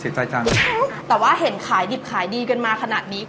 ใจจังแต่ว่าเห็นขายดิบขายดีกันมาขนาดนี้